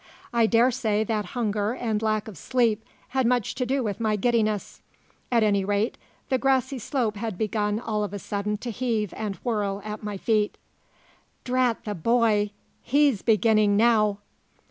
I dare say that hunger and lack of sleep had much to do with my giddiness; at any rate, the grassy slope had begun all of a sudden to heave and whirl at my feet. "Drat the boy! He's beginning now!"